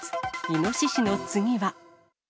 イノシシの次は？